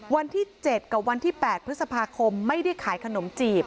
วันที่๗กับวันที่๘พฤษภาคมไม่ได้ขายขนมจีบ